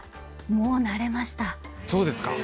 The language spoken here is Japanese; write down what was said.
もう慣れました。